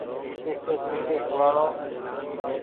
ۮوک سوک سوڻآڻو